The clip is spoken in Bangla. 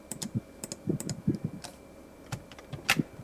তিনি জাতিসংঘে সাধারণ সম্পাদকের অধীনে কাজ করেন।